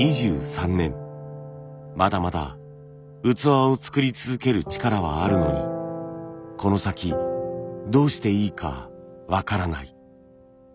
まだまだ器を作り続ける力はあるのにこの先どうしていいか分からない。